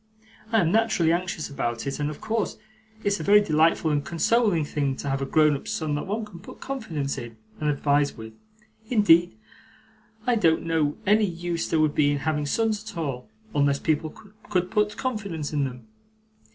I am naturally anxious about it, and of course it's a very delightful and consoling thing to have a grown up son that one can put confidence in, and advise with; indeed I don't know any use there would be in having sons at all, unless people could put confidence in them.